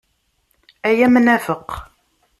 A amnafeq!